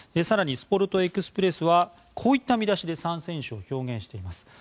更にスポルトエクスプレスはこういった見出しで３選手を表現しています。